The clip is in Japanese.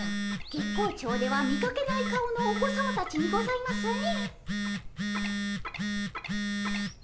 月光町では見かけない顔のお子さまたちにございますね。